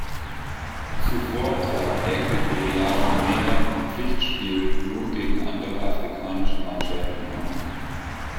Zuvor trat Äquatorial-Guinea in Pflichtspielen nur gegen andere afrikanische Mannschaften an.